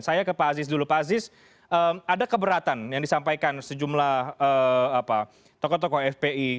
saya ke pak aziz dulu pak aziz ada keberatan yang disampaikan sejumlah tokoh tokoh fpi